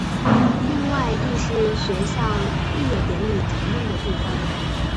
另外亦是学校毕业典礼常用的地方。